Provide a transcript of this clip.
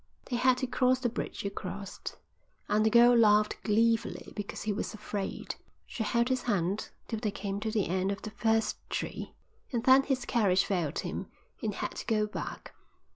They had to cross the bridge you crossed, and the girl laughed gleefully because he was afraid. She held his hand till they came to the end of the first tree, and then his courage failed him and he had to go back.